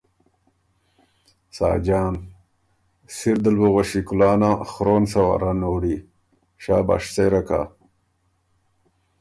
ساجان ـــ”سِر دل بُوغؤݭی کُلانا خرون سۀ وار ا نوړی، شاباش سېره کۀ“